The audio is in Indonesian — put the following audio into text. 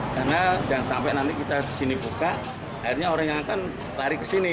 karena jangan sampai nanti kita di sini buka akhirnya orang yang akan lari ke sini